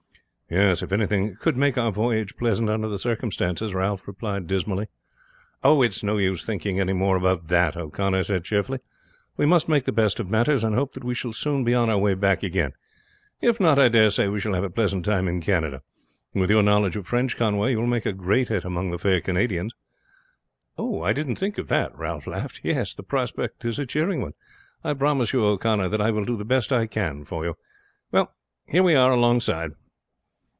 "Yes, if anything could make our voyage pleasant under the circumstances," Ralph replied dismally. "Oh, it's no use thinking any more about that," O'Connor said cheerfully. "We must make the best of matters, and hope that we shall soon be on our way back again; if not, I dare say we shall have a pleasant time in Canada. With your knowledge of French, Conway, you will make a great hit among the fair Canadians." "I didn't think of that," Ralph laughed. "Yes, the prospect is a cheering one. I promise you, O'Connor, that I will do the best I can for you. Well, here we are alongside."